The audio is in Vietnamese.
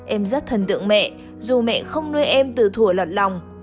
em rất thần tượng mẹ dù mẹ không nuôi em từ thủa loạn lòng